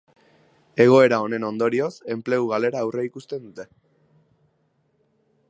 Egoera honen ondorioz enplegu galera aurreikusten dute.